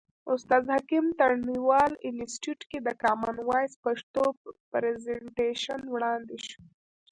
استاد حکیم تڼیوال انستیتیوت کې د کامن وایس پښتو پرزنټیشن وړاندې شو.